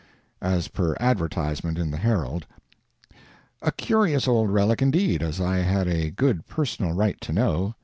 As per advertisement in the "Herald." A curious old relic indeed, as I had a good personal right to know.